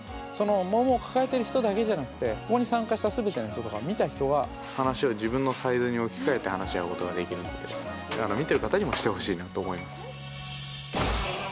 そのモンモンを抱えてる人だけじゃなくてここに参加した全ての人とか見た人が話を自分のサイズに置き換えて話し合うことができるんで見てる方にもしてほしいなと思います。